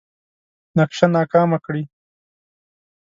نقشه ناکامه کړي.